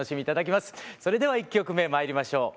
それでは１曲目まいりましょう。